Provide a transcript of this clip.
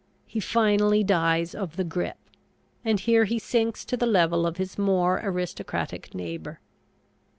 He finally dies of the "grip," and here he sinks to the level of his more aristocratic neighbor.